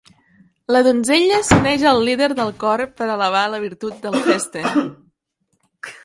La donzella s'uneix al líder del cor per alabar la virtut d'Alceste.